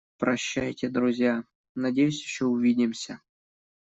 Прощайте друзья, надеюсь ещё увидимся!